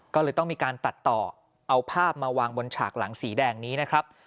ก็เลยต้องมีการตัดต่อเอาภาพมาวางบนฉากหลังสีแดงนี้นะครับ